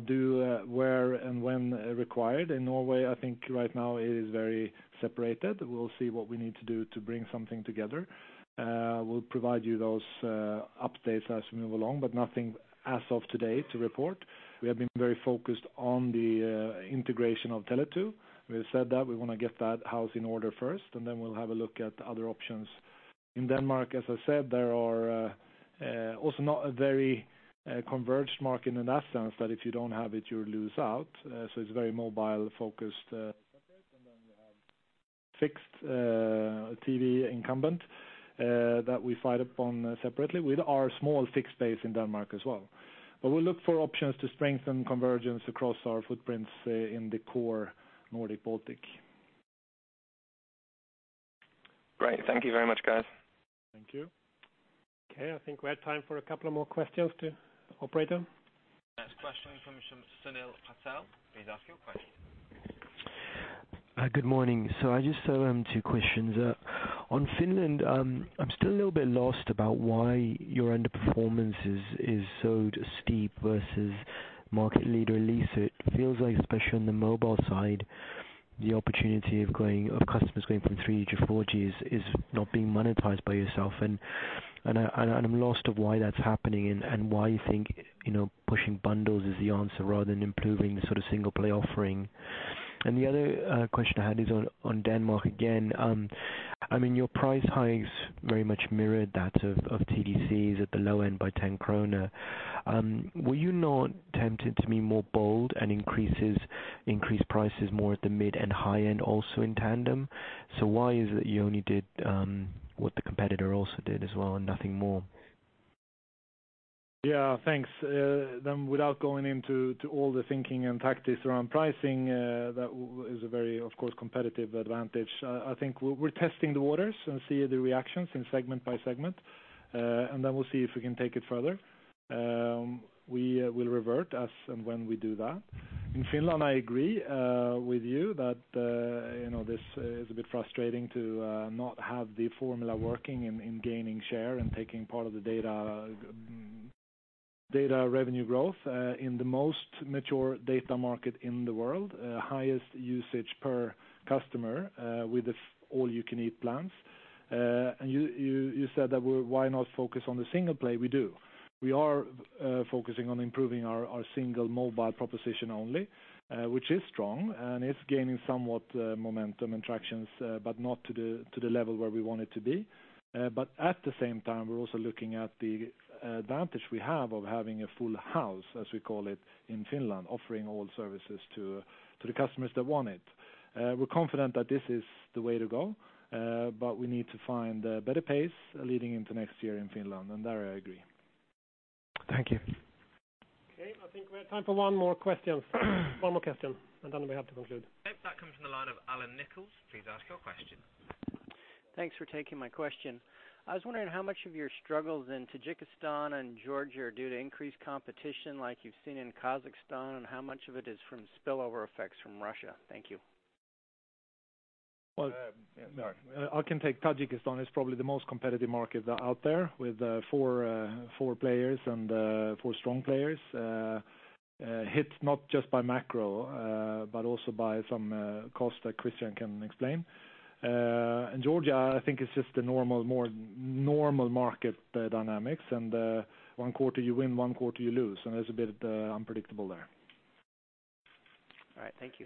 do where and when required. In Norway, I think right now it is very separated. We'll see what we need to do to bring something together. We'll provide you those updates as we move along, but nothing as of today to report. We have been very focused on the integration of Tele2. We have said that we want to get that house in order first, then we'll have a look at other options. In Denmark, as I said, there are also not a very converged market in that sense that if you don't have it, you lose out. It's very mobile-focused, then we have fixed TV incumbent that we fight upon separately with our small fixed base in Denmark as well. We'll look for options to strengthen convergence across our footprints in the core Nordic-Baltic. Great. Thank you very much, guys. Thank you. I think we have time for a couple of more questions to operate on. Next question comes from Sunil Patel. Please ask your question. Good morning. I just have two questions. On Finland, I'm still a little bit lost about why your underperformance is so steep versus market leader Elisa. It feels like, especially on the mobile side, the opportunity of customers going from 3G to 4G is not being monetized by yourself. I'm lost of why that's happening and why you think pushing bundles is the answer rather than improving the single-play offering. The other question I had is on Denmark again. Your price hikes very much mirrored that of TDC's at the low end by 10 kroner. Were you not tempted to be more bold and increase prices more at the mid and high end also in tandem? Why is it you only did what the competitor also did as well and nothing more? Yeah, thanks. Without going into all the thinking and tactics around pricing, that is a very, of course, competitive advantage. I think we're testing the waters and see the reactions in segment by segment, we'll see if we can take it further. We will revert as and when we do that. In Finland, I agree with you that this is a bit frustrating to not have the formula working in gaining share and taking part of the data revenue growth in the most mature data market in the world. Highest usage per customer with all-you-can-eat plans. You said that why not focus on the single play? We do. We are focusing on improving our single mobile proposition only, which is strong, and it's gaining somewhat momentum and tractions, but not to the level where we want it to be. At the same time, we're also looking at the advantage we have of having a full house, as we call it in Finland, offering all services to the customers that want it. We're confident that this is the way to go, we need to find a better pace leading into next year in Finland, there I agree. Thank you. Okay, I think we have time for one more question. One more question, then we have to conclude. That comes from the line of Allan Nichols. Please ask your question. Thanks for taking my question. I was wondering how much of your struggles in Tajikistan and Georgia are due to increased competition like you've seen in Kazakhstan, and how much of it is from spillover effects from Russia? Thank you. Well, I can take Tajikistan. It's probably the most competitive market out there with four strong players, hit not just by macro, but also by some cost that Christian can explain. Georgia, I think it's just the more normal market dynamics, one quarter you win, one quarter you lose, and it's a bit unpredictable there. All right. Thank you.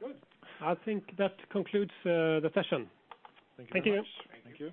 Good. I think that concludes the session. Thank you. Thank you.